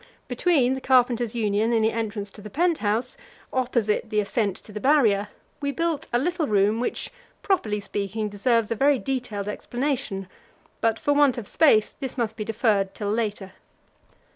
Between the Carpenters' Union and the entrance to the pent house, opposite the ascent to the Barrier, we built a little room, which, properly speaking, deserves a very detailed explanation; but, for want of space, this must be deferred till later.